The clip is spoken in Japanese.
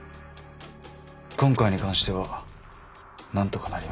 今回に関してはなんとかなります。